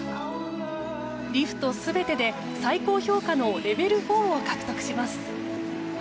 リフト全てで最高評価のレベル４を獲得します。